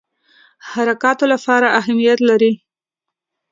حرکاتو لپاره اهمیت لري.